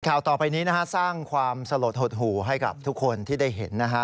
ข่าวต่อไปนี้นะฮะสร้างความสลดหดหู่ให้กับทุกคนที่ได้เห็นนะฮะ